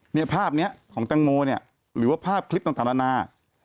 เนี่ยภาพนี้ของแตงโมเนี่ยหรือว่าภาพคลิปต่างนานา